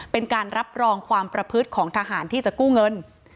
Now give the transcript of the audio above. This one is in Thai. เป็นการรับรองความประพฤติของทหารที่จะกู้เงิน